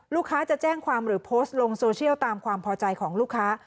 ลูกค้าจะแจ้งความหรือโพสต์ลงโซเชียลตามความพอใจของลูกค้า